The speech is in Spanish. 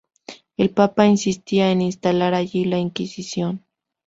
El Papa insistía en instalar allí la inquisición.